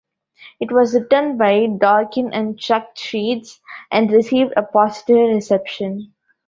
It was written by Dorkin and Chuck Sheetz and received a positive reception.